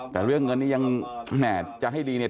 แต่เรื่องเงินนี้ยังแหมจะให้ดีเนี่ย